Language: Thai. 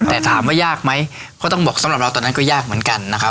แต่ถามว่ายากไหมก็ต้องบอกสำหรับเราตอนนั้นก็ยากเหมือนกันนะครับ